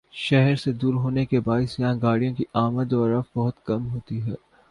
شہر سے دور ہونے کے باعث یہاں گاڑیوں کی آمدورفت بہت کم ہوتی ہے ۔